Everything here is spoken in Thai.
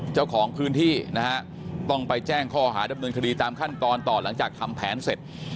เจ้าของพื้นที่นะฮะต้องไปแจ้งข้อหาดำเนินคดีตามขั้นตอนต่อหลังจากทำแผนเสร็จ